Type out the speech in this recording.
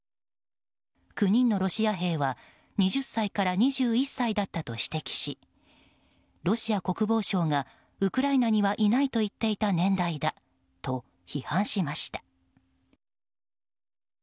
９人のロシア兵は２０歳から２１歳だったと指摘しロシア国防省がウクライナにはいないと言っていた年代だと批判しました。